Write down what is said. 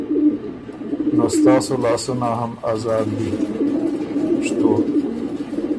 نو ستاسو لاسونه هم ازاد دی